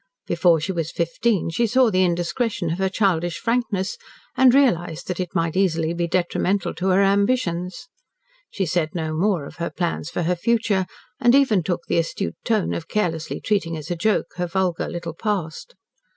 Before she was fifteen she saw the indiscretion of her childish frankness, and realised that it might easily be detrimental to her ambitions. She said no more of her plans for her future, and even took the astute tone of carelessly treating as a joke her vulgar little past.